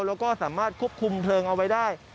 แล้วก็สามารถควบคุมเพลิงเอาไว้ได้